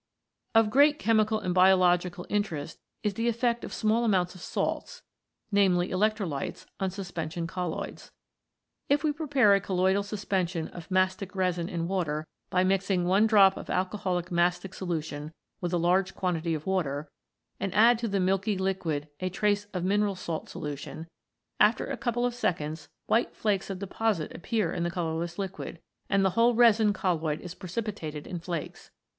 Of great chemical and biological interest is the effect of small amounts of salts, i.e. electrolytes, on suspension colloids. If we prepare a colloidal suspension of mastic resin in water by mixing one drop of alcoholic mastic solution with a large quantity of water, and add to the milky liquid a trace of mineral salt solution, after a couple of seconds white flakes of deposit appear in the colourless liquid, and the whole resin colloid is precipitated in flakes.